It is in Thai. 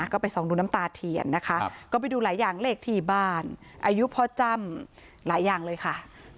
ก็ไปส่องดูน้ำตาเทียนนะคะก็ไปดูหลายอย่างเลขที่บ้านอายุพ่อจ้ำหลายอย่างเลยค่ะ